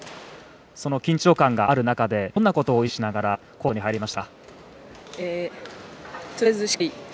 その緊張感がある中でどんなことを意識しながらコートに入りましたか？